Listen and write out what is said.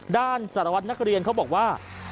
ด้านศาลวัฒน์นักเรียนเขาบอกว่า